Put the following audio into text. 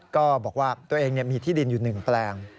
ก็บอกว่าตัวเองมีที่ดินอยู่๑แปลง